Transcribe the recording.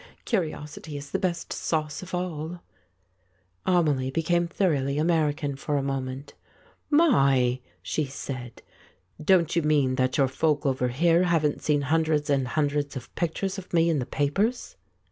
Curiosity is the best sauce of all." Amelie became thoroughly American for a moment. 132 The False Step "My!" she said. "Don't you mean that your folk over here haven't seen hundreds and hundreds of pictures of me in the papers